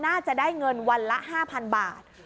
น่าจะได้เงินวันละ๕๐๐๐บาท